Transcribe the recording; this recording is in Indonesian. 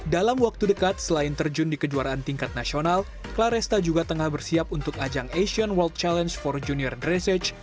dalam waktu dekat selain terjun di kejuaraan tingkat nasional claresta juga tengah bersiap untuk ajang asian world challenge for junior dressage